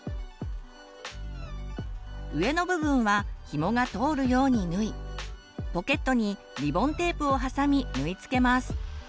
上の部分はヒモが通るように縫いポケットにリボンテープを挟み縫い付けます。